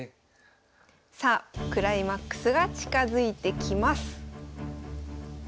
さあクライマックスが近づいてきます。